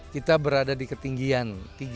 kita berada di ketinggian